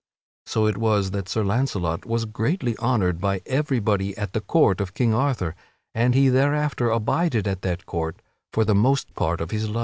So it was that Sir Launcelot was greatly honored by everybody at the court of King Arthur, and he thereafter abided at that court for the most part of his life.